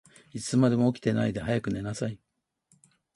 いつまでも起きてないで、早く寝なさい。